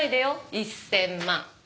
１０００万。